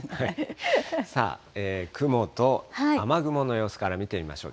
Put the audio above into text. さあ、雲と雨雲の様子から見てみましょう。